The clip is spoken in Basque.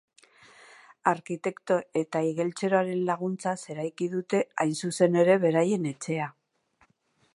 Arkitekto eta igeltseroaren laguntzaz eraiki dute, hain zuzen ere, beraien etxea.